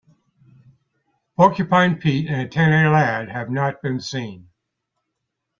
Porcupine Pete and Antennae Lad have not been seen.